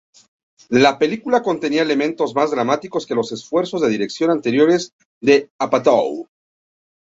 La película contenía elementos más dramáticos que los esfuerzos de dirección anteriores de Apatow.